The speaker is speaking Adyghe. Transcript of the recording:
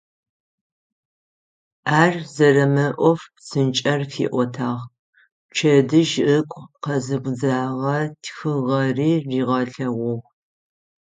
Ар зэрэмыӏоф псынкӏэр фиӏотагъ, пчэдыжь ыгу къэзыбзэгъэ тхыгъэри ригъэлъэгъугъ.